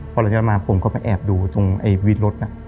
พอหลังจากนั้นมาผมก็ไปแอบดูตรงไอ้วิทย์รถ